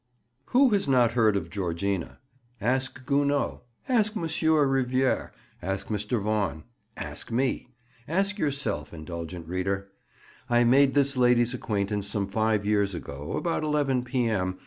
WHO has not heard of Georgina? Ask Gounod, ask Monsieur Riviere, ask Mr. Vaughan, ask me, ask yourself, indulgent reader. I made this lady's acquaintance some five years ago, about eleven P.M.